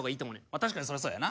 確かにそれはそうやな。